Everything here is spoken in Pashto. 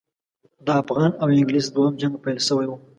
د افغان او انګلیس دوهم جنګ پیل شوی وو.